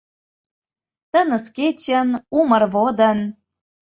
Тыныс кечын, умыр водын